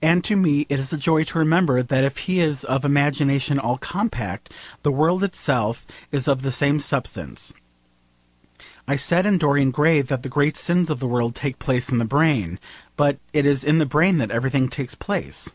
And to me it is a joy to remember that if he is 'of imagination all compact,' the world itself is of the same substance. I said in Dorian Gray that the great sins of the world take place in the brain: but it is in the brain that everything takes place.